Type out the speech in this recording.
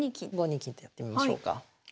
５二金とやってみましょうか。